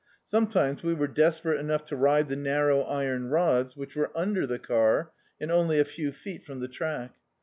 Sometimes we were desperate enough to ride the narrow iron rods, which were under the car, and only a few feet from the track.